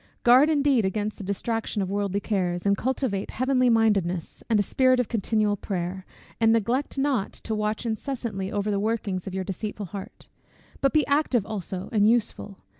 Guard indeed against the distraction of worldly cares; and cultivate heavenly mindedness, and a spirit of continual prayer, and neglect not to watch incessantly over the workings of your deceitful heart: but be active also, and useful.